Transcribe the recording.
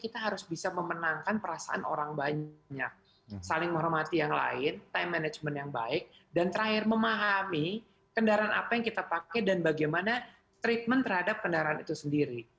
kita harus bisa memenangkan perasaan orang banyak saling menghormati yang lain time management yang baik dan terakhir memahami kendaraan apa yang kita pakai dan bagaimana treatment terhadap kendaraan itu sendiri